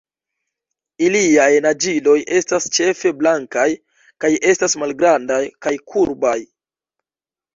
Iliaj naĝiloj estas ĉefe blankaj kaj estas malgrandaj kaj kurbaj.